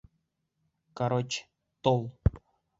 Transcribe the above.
Короче, тол.